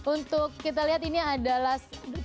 untuk kita lihat ini adalah